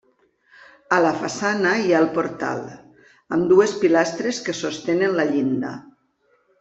A la façana hi ha el portal, amb dues pilastres que sostenen la llinda.